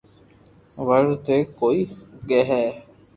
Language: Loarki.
وڻ تي تو ڪوئي اوگي ھي